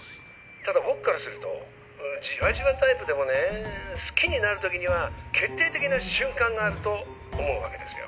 ただ僕からするとじわじわタイプでもねぇ好きになる時には決定的な瞬間があると思う訳ですよ。